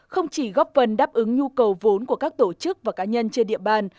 không chỉ góp phần đáp ứng nhu cầu vốn của các tổ chức và cá nhân trên địa bàn